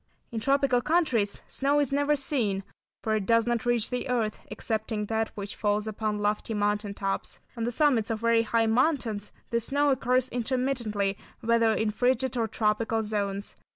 In tropical countries snow is never seen, for it does not reach the earth, excepting that which falls upon lofty mountain tops. On the summits of very high mountains the snow occurs intermittently whether in frigid or tropical zones.